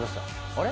あれ？